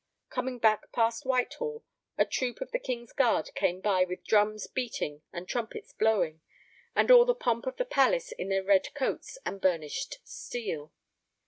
Coming back past Whitehall a troop of the King's guard came by with drums beating and trumpets blowing, and all the pomp of the Palace in their red coats and burnished steel.